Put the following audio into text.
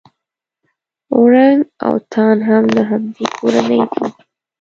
اورنګ اوتان هم له همدې کورنۍ دي.